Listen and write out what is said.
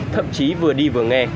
thậm chí vừa đi vừa nghe